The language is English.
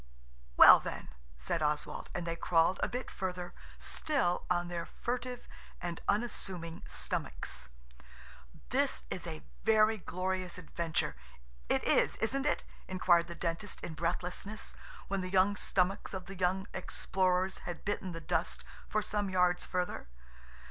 "Well, then," said Oswald, and they crawled a bit further still on their furtive and unassuming stomachs. "This is a very glorious adventure. It is, isn't it?" inquired the Dentist in breathlessness, when the young stomachs of the young explorers had bitten the dust for some yards further.